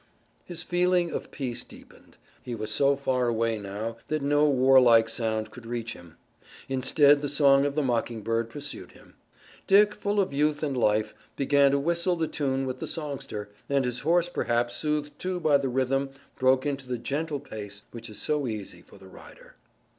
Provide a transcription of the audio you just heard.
His feeling of peace deepened. He was so far away now that no warlike sound could reach him. Instead the song of the mockingbird pursued him. Dick, full of youth and life, began to whistle the tune with the songster, and his horse perhaps soothed too by the rhythm broke into the gentle pace which is so easy for the rider.